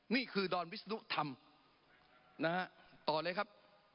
นี่คือดรวิศนุษย์ทำต่อเลยครับ